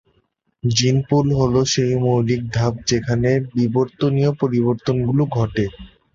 জিন পুল হলো সেই মৌলিক ধাপ, যেখানে বিবর্তনীয় পরিবর্তন গুলো ঘটে।